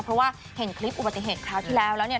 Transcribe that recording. เพราะว่าเห็นคลิปอุบัติเหตุคราวที่แล้วแล้วเนี่ย